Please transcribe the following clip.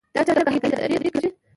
دا چرګه هګۍ لري؛ کړېږي.